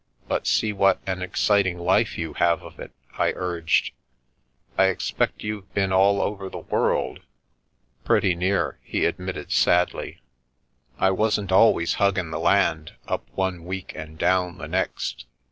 " But see what an exciting life you have of it !" I urged. "I expect you've been all over the world." " Pretty near," he admitted sadly. " I wasn't always huggin' the land up one week and down the next.